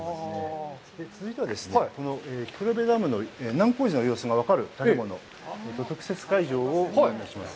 続いてはですね、この黒部ダムの難工事の様子が分かる特設会場をご案内します。